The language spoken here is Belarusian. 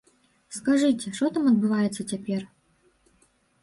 Скажыце, што там адбываецца цяпер?